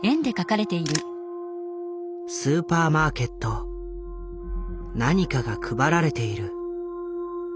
スーパーマーケット何かが配られている。